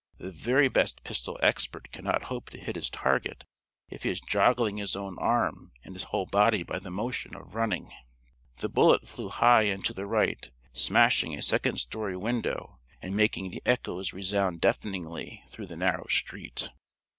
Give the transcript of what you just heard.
The very best pistol expert cannot hope to hit his target if he is joggling his own arm and his whole body by the motion of running. The bullet flew high and to the right, smashing a second story window and making the echoes resound deafeningly through the narrow street.